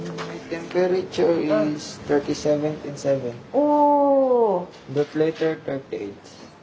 お。